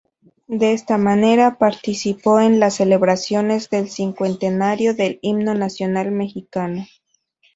De esta manera, participó en las celebraciones del cincuentenario del Himno Nacional Mexicano.